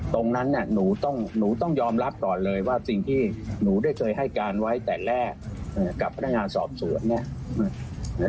ตรงนั้นหนูต้องยอมรับก่อนเลยว่าสิ่งที่หนูได้เคยให้การไว้แต่แรกกับพนักงานสอบสวนเนี่ย